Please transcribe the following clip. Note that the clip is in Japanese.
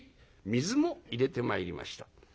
水も入れてまいりました」。